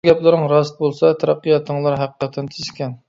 —بۇ گەپلىرىڭ راست بولسا تەرەققىياتىڭلار ھەقىقەتەن تېز ئىكەن.